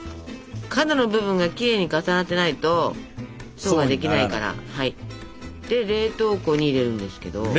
角の部分がきれいに重なってないと層ができないから。で冷凍庫に入れるんですけど。